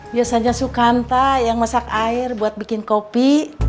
biasanya sukanta yang masak air buat bikin kopi